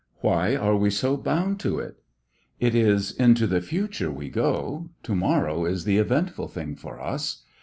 Why are we so bound to it? It is into the future we go, to morrow is the eventful thing for us.